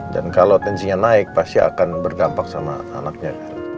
dan kalau tensinya naik pasti akan bergampang sama anaknya